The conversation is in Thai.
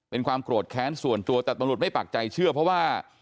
เป็นความโกรธแค้นส่วนตัวแต่ตำรวจไม่ปักใจเชื่อเพราะว่า